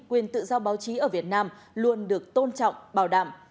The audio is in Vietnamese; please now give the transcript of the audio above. quyền tự do báo chí ở việt nam luôn được tôn trọng bảo đảm